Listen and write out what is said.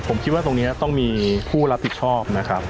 ผมคิดว่าตรงนี้ต้องมีผู้รับผิดชอบนะครับ